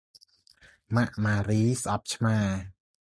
ម៉ាក់ម៉ារី ស្អប់ ឆ្មា ។